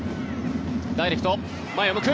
ダイレクト、前を向く。